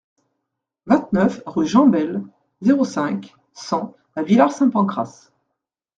vingt-neuf rue Jean Bayle, zéro cinq, cent à Villar-Saint-Pancrace